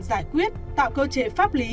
giải quyết tạo cơ chế pháp lý